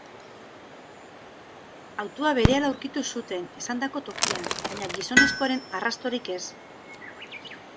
Autoa berehala aurkitu zuten, esandako tokian, baina gizonezkoaren arrastorik ez.